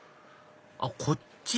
あっこっち？